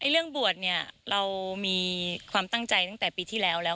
เรื่องบวชเนี่ยเรามีความตั้งใจตั้งแต่ปีที่แล้วแล้ว